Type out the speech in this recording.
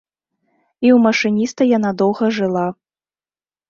І ў машыніста яна доўга жыла.